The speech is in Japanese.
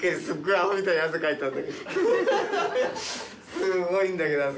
すごいんだけど汗。